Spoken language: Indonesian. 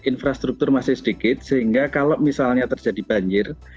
infrastruktur masih sedikit sehingga kalau misalnya terjadi banjir